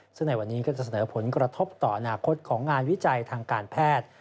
ซึ่งในวันนี้ก็จะเสนอผลกระทบต่ออนาคตของงานวิจัยทางการแพทย์